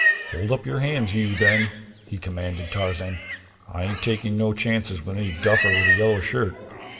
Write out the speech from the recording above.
"Hold up your hands, you, then," he commanded Tarzan. "I ain't taking no chances with any duffer with a yellow shirt."